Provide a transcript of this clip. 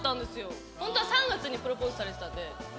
ホントは３月にプロポーズされてたんで。